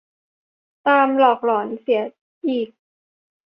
ตามหลอกหลอนเสียอีก